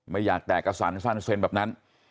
ไม่อยากแตกกระสันสั้นเซ็นแบบนั้น